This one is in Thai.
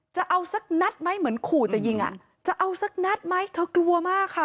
จะเอาสักนัดไหมเหมือนขู่จะยิงอ่ะจะเอาสักนัดไหมเธอกลัวมากค่ะ